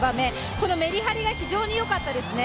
このメリハリが非常によかったですね。